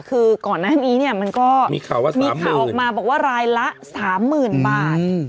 คือก่อนหน้านี้เนี่ยมันก็มีข่าวว่า๓หมื่นมีข่าวออกมาบอกว่ารายละ๓หมื่นบาท